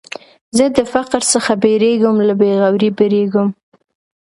زه د فقر څخه بېرېږم، له بېغورۍ بېرېږم.